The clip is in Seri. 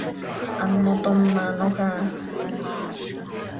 Hammotómanoj áa.